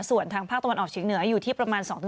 ส่วนทางภาคตะวันออกเฉียงเหนืออยู่ที่ประมาณ๒